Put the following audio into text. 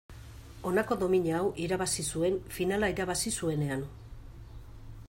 Honako domina hau irabazi zuen finala irabazi zuenean.